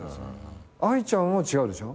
愛ちゃんも違うでしょ？